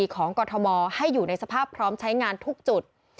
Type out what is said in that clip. กรทมให้อยู่ในสภาพพร้อมใช้งานทุกจุด